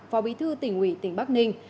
phó bí thư tỉnh hủy tỉnh bắc ninh